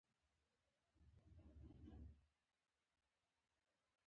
ایا ستاسو پالنه به سمه وي؟